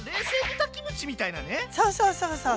ああそうそうそうそう